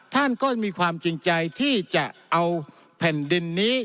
ท่านก็มีความจริงใจที่จะเอาแผ่นดินนี้